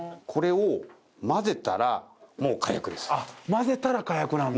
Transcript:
混ぜたら火薬なんだ！